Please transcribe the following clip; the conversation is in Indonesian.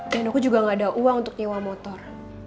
dan aku juga gak ada uang untuk nyewa motor